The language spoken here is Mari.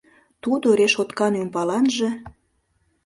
Тудо решоткан ӱмбаланже